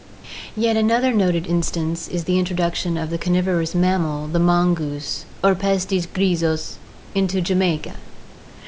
Yet another noted instance is the introduction of the carnivorous mammal, the mongoose (Herpestes griseus) into Jamaica.